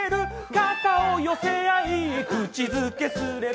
肩を寄せ合い口づけすれば